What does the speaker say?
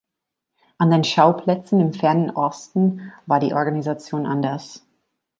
An den Schauplätzen im Fernen Osten war die Organisation anders.